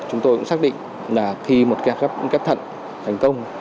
chúng tôi cũng xác định là khi một ghét thận thành công